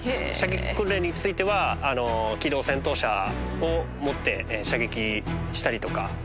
射撃訓練については機動戦闘車をもって射撃したりとか。